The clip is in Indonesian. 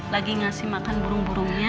lagi ngasih makan burung burungnya